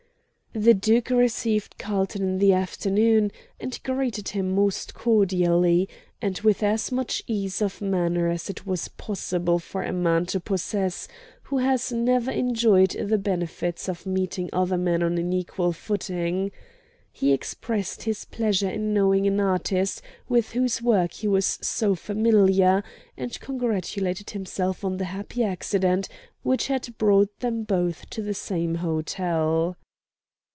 The Duke received Carlton in the afternoon, and greeted him most cordially, and with as much ease of manner as it is possible for a man to possess who has never enjoyed the benefits of meeting other men on an equal footing. He expressed his pleasure in knowing an artist with whose work he was so familiar, and congratulated himself on the happy accident which had brought them both to the same hotel.